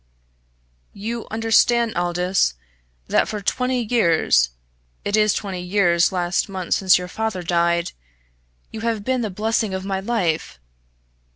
"You understand, Aldous, that for twenty years it is twenty years last month since your father died you have been the blessing of my life?